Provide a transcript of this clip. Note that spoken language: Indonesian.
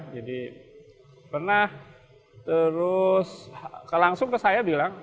pernah terus langsung ke saya bilang